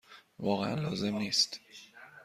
واقعا لازم نیست.